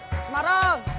semarang sembarang sembarang